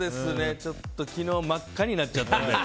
ちょっと昨日真っ赤になっちゃったんで。